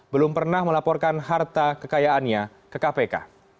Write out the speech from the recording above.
belum pernah melaporkan harta kekayaannya ke kpk